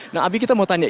nah abi kita mau tanya